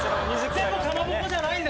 全部かまぼこじゃないんですか？